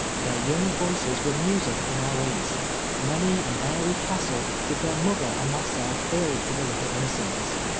Their young voices were music in our ears. Many an airy castle did their mother and myself build for the little innocents.